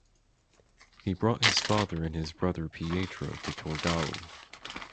He brought his father and his brother Pietro to Torgau.